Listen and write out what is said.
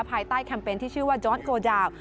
ภายใต้แคมเปญที่ชื่อว่าจอร์ดโกดาว